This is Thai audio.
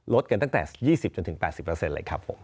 ลดกันตั้งแต่๒๐จนถึง๘๐เปอร์เซ็นต์เลยครับผม